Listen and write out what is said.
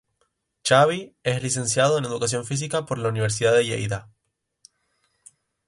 Xavi es Licenciado en Educación Física por la Universidad de Lleida.